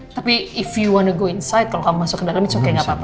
tapi if you wanna go inside kalau kamu masuk ke dalam itu oke gak apa apa